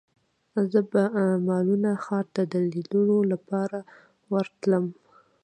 زه به مالمو ښار ته د لیدو لپاره ورتلم.